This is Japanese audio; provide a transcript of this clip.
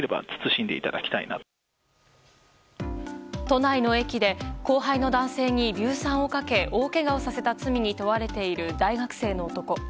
都内の駅で後輩の男性に硫酸をかけ大けがをさせた罪に問われている大学生の男。